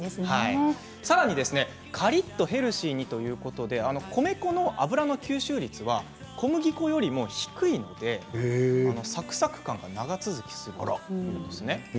さらにカリっとヘルシーに米粉の油の吸収率は小麦粉よりも低いのでサクサク感が長続きするというんですね。